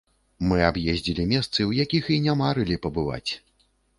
Мы аб'ездзілі месцы, у якіх і не марылі пабываць.